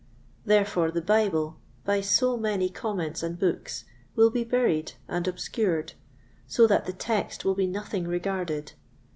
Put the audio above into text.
Therefore the Bible, by so many comments and books, will be buried and obscured, so that the Text will be nothing regarded.